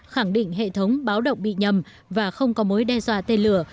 khẳng định hệ thống báo động bị nhầm và không có mối đe dọa tên lửa